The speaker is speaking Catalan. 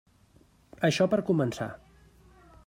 Això per començar.